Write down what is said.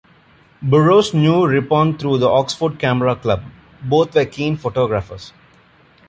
Burrows knew Rippon through the Oxford Camera Club; both were keen photographers.